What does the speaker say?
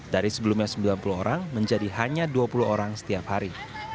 dari sebelumnya sembilan puluh orang menjadi hanya dua puluh orang setiap hari